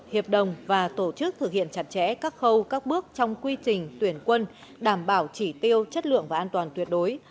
hiệp đồng và tổ chức thực hiện chặt chẽ các khâu các bước trong quy trình tuyển quân đảm bảo chỉ tiêu chất lượng và an toàn tuyệt đối